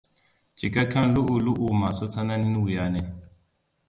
Cikakken lu'u-lu'u masu tsananin wuya ne.